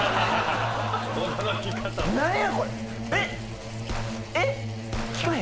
何やこれ！？